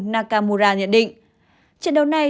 naka mura nhận định trận đấu này